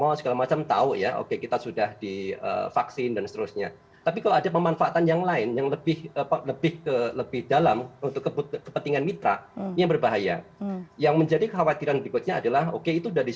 apakah penjelasan ini bisa diterima